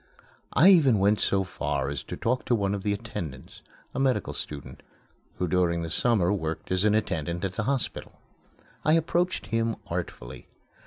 I even went so far as to talk to one of the attendants, a medical student, who during the summer worked as an attendant at the hospital. I approached him artfully.